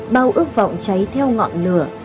bao ước vọng cháy theo ngọn lửa